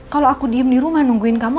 kalau aku diem di rumah nungguin kamu